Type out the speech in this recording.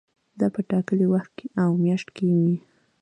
دا په ټاکلي وخت او میاشت کې وي.